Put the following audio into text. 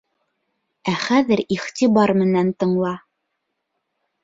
Ә хәҙер иғтибар менән тыңла.